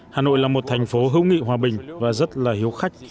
hà nội là một thành phố hữu nghị hòa bình và rất là hiếu khách